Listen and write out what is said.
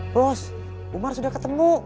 bos umar sudah ketemu